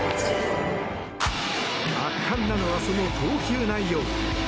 圧巻なのは、その投球内容。